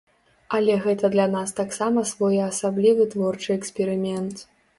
Але гэта для нас таксама своеасаблівы творчы эксперымент.